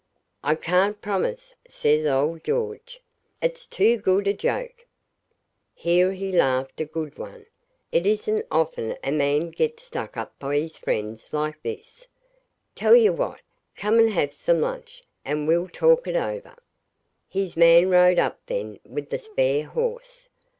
'I can't promise,' says old George; 'it's too good a joke.' Here he laughed a good one. 'It isn't often a man gets stuck up by his friends like this. Tell you what; come and have some lunch, and we'll talk it over.' His man rode up then with the spare horse.